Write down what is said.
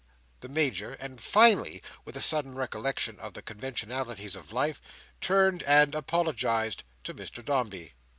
the Major; and finally, with a sudden recollection of the conventionalities of life, turned and apologised to Mr Dombey.